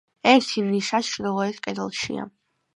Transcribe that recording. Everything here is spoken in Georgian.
ერთი ნიშა ჩრდილოეთ კედელშია.